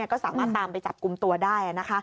ก็สามารถตามไปจับกลุ่มตัวได้